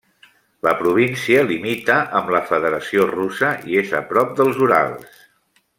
La província limita amb la Federació Russa i és a prop dels Urals.